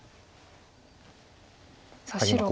さあ白が。